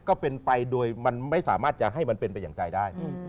ก็เป็นไปโดยมันไม่สามารถจะให้มันเป็นไปอย่างใจได้